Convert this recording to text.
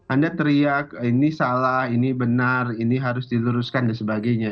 anda teriak ini salah ini benar ini harus diluruskan dan sebagainya